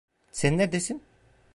Sen neredesin?